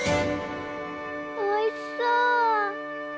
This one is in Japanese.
おいしそう！